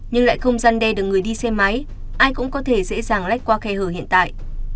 nhưng lại không gian đe được người đi xe máy ai cũng có thể dễ dàng lách qua khe hở hiện tại